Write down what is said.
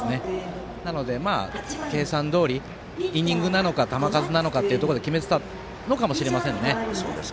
なので、計算どおりイニングなのか球数なのかというところで決めてたのかもしれませんね。